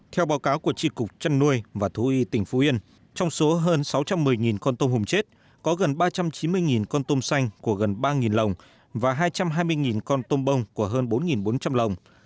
theo báo cáo của tri cục chăn nuôi và thú y tỉnh phú yên trong số hơn sáu trăm một mươi con tôm hùm chết có gần ba trăm chín mươi con tôm xanh của gần ba lồng và hai trăm hai mươi con tôm bông của hơn bốn bốn trăm linh lồng